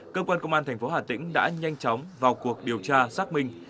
cơ quan công an tp hà tĩnh đã nhanh chóng vào cuộc điều tra xác minh